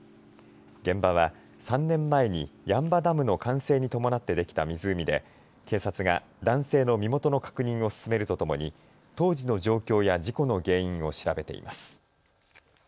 現場は３年前に八ッ場ダムの完成に伴ってできた湖で警察が男性の身元の確認を進めるとともに当時の状況や事故の原因を調べています。